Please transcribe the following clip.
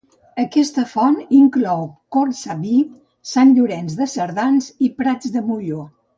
Aquesta font hi inclou Cortsaví, Sant Llorenç de Cerdans i Prats de Molló.